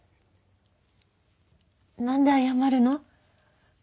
何で謝るの？